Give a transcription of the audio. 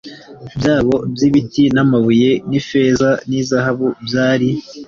byabo by ibiti n amabuye n ifeza n izahabu byari